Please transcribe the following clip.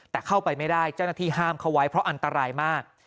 แต่เข้าไปไม่ได้เจ้าหน้าที่ห้ามเขาไว้เพราะอันตรายมาก